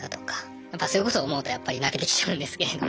やっぱそういうこと思うとやっぱり泣けてきちゃうんですけれども。